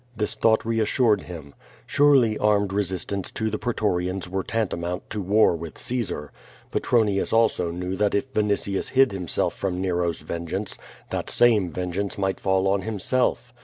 This thought reassured him. Surely armed resistance to the pretorians were tanta mount to war with Caesar. Petronius also knew that if Vini tius hid himself from Nero's vengeance, that same vengeance might fall on himself.